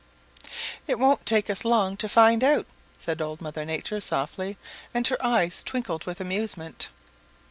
"It won't take us long to find out," said Old Mother Nature softly and her eyes twinkled with amusement.